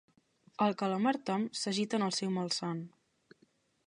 El calamar Tom s'agita en el seu malson.